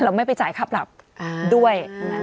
แล้วไม่ไปจ่ายขับรับด้วย